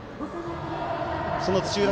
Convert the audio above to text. その土浦